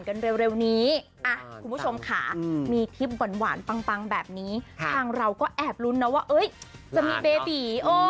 เร็วนี้คุณผู้ชมค่ะมีคลิปหวานปังแบบนี้ทางเราก็แอบลุ้นนะว่าจะมีเบบี